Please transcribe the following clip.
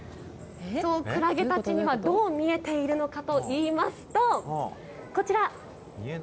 そう、クラゲたちにはどう見えているのかといいますと、こちら。